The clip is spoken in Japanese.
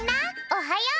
おはよう！